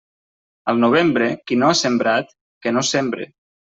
Al novembre, qui no ha sembrat, que no sembre.